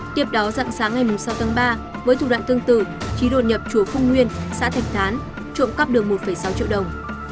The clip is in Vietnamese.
tiếp đó dặn sáng ngày sáu tháng ba với thủ đoạn tương tự trí đột nhập chùa cung nguyên xã thạch thán trộm cắp được một sáu triệu đồng